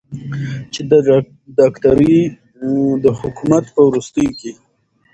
چې د داکتر د حکومت په وروستیو کې